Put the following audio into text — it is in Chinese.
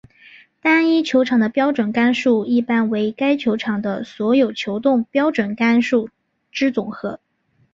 单一球场的标准杆数一般为该球场的所有球洞标准杆数之总和。